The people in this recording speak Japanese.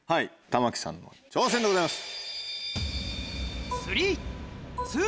玉木さんの挑戦でございます。